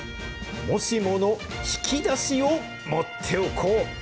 もしもの引き出しを持っておこう。